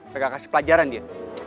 gak kasih pelajaran dia